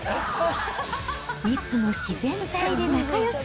いつも自然体で仲よし。